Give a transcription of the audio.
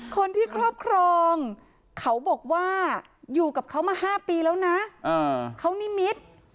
ครอบครองเขาบอกว่าอยู่กับเขามา๕ปีแล้วนะเขานิมิตร